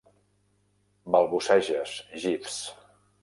Balbuceges, Jeeves.